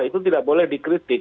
itu tidak boleh dikritik